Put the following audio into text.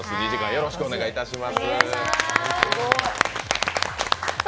よろしくお願いします。